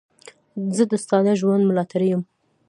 زه د ساده ژوند ملاتړی یم.